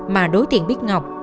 mà đối tình bích ngọc